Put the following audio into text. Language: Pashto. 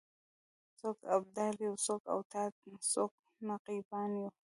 څوک ابدال یو څوک اوتاد څوک نقیبان یو